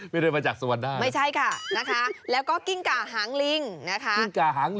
ไม่ได้มาจากสวรรค์หน้าไม่ใช่ค่ะนะคะแล้วก็กิ้งก่าหางลิงนะคะ